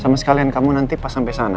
sama sekalian kamu nanti pas sampai sana